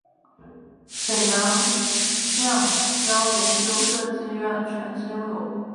沈阳橡胶研究设计院全资拥有。